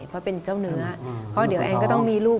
เพราะเป็นเจ้าเนื้อเพราะเดี๋ยวแอนก็ต้องมีลูก